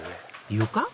床？